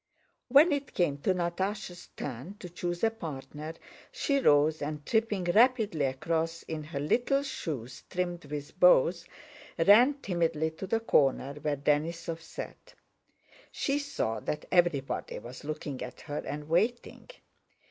When it came to Natásha's turn to choose a partner, she rose and, tripping rapidly across in her little shoes trimmed with bows, ran timidly to the corner where Denísov sat. She saw that everybody was looking at her and waiting.